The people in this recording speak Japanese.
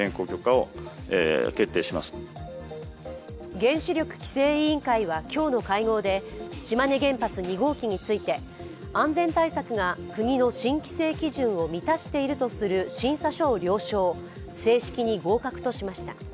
原子力規制委員会は今日の会合で島根原発２号機について、安全対策が国の新規制基準を満たしているとする審査書を了承正式に合格としました。